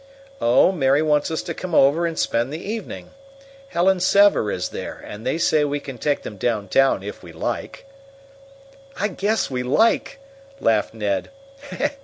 "Oh, Mary wants us to come over and spend the evening. Helen Sever is there, and they say we can take them downtown if we like." "I guess we like," laughed Ned.